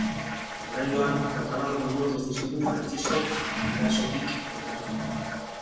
Oraingoan kontrabando kontuak ez dizkigu Frantzisko Irazokik kontatuko.